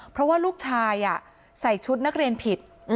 เพราะว่าลูกชายใส่ชุดนักเรียนผิด